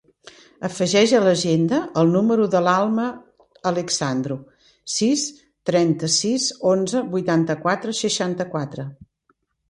Afegeix a l'agenda el número de l'Alma Alexandru: sis, trenta-sis, onze, vuitanta-quatre, seixanta-quatre.